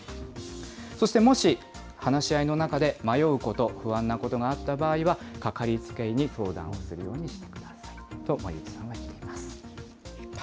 そしてもし、話し合いの中で迷うこと、不安なことがあった場合には、かかりつけ医に相談をするようにしてくださいと森内さんは言っています。